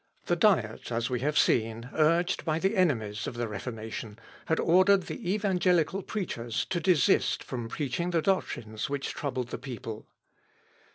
The Diet, as we have seen, urged by the enemies of the Reformation, had ordered the evangelical preachers to desist from preaching the doctrines which troubled the people.